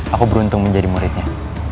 aku beruntung menjadi muridnya